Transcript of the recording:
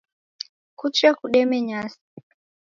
Kuche kudeme nyasi